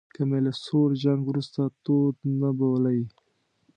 که مې له سوړ جنګ وروسته تود نه بولئ.